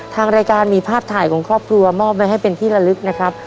ทางรายการมีภาพถ่ายของครอบครัวมอบไว้ให้เป็นที่ละลึกนะครับ